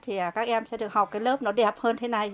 thì các em sẽ được học cái lớp nó đẹp hơn thế này